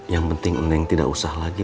yang penting uneng tidak usah lagi